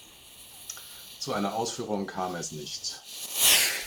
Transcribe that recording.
Zu einer Ausführung kam es nicht.